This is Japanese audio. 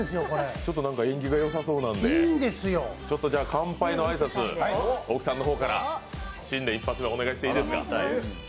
ちょっと縁起がよさそうなんで、乾杯の挨拶、大木さんの方から新年一発目お願いしていいですか。